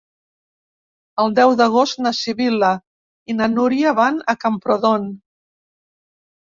El deu d'agost na Sibil·la i na Núria van a Camprodon.